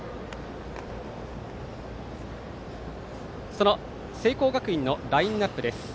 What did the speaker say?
その聖光学院のラインナップです。